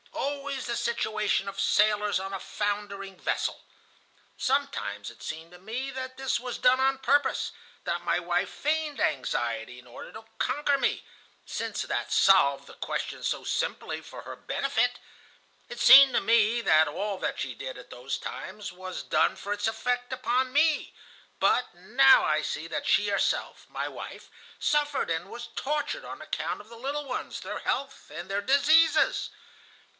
Always the situation of sailors on a foundering vessel. Sometimes it seemed to me that this was done on purpose, that my wife feigned anxiety in order to conquer me, since that solved the question so simply for her benefit. It seemed to me that all that she did at those times was done for its effect upon me, but now I see that she herself, my wife, suffered and was tortured on account of the little ones, their health, and their diseases.